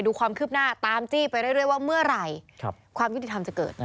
ดูความคืบหน้าตามจี้ไปเรื่อยว่าเมื่อไหร่ความยุติธรรมจะเกิด